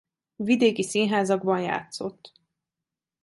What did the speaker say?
Vidéki színházakban játszott.